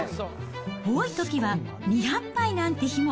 多いときは２００杯なんて日も。